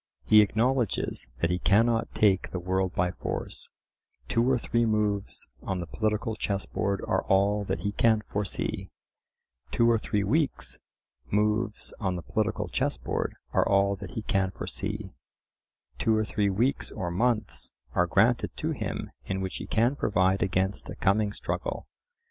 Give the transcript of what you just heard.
He acknowledges that he cannot take the world by force—two or three moves on the political chess board are all that he can fore see—two or three weeks moves on the political chessboard are all that he can foresee—two or three weeks or months are granted to him in which he can provide against a coming struggle.